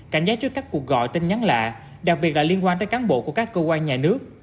cảnh giác trước các cuộc gọi tin nhắn lạ đặc biệt là liên quan tới cán bộ của các cơ quan nhà nước